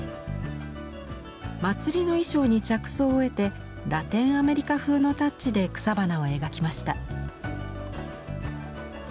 祭りの衣装に着想を得てラテンアメリカ風のタッチで草花を描きました。